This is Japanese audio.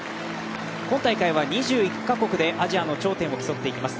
今大会は２１か国でアジアの頂点を競っていきます。